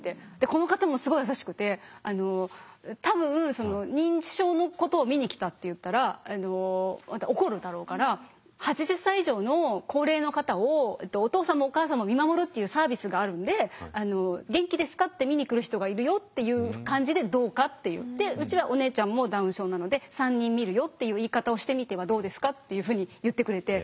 この方もすごい優しくて「多分認知症のことを見に来たって言ったら怒るだろうから８０歳以上の高齢の方をお父さんもお母さんも見守るっていうサービスがあるんで元気ですかって見に来る人がいるよっていう感じでどうか？」って言ってうちはお姉ちゃんもダウン症なので「３人見るよっていう言い方をしてみてはどうですか？」っていうふうに言ってくれて。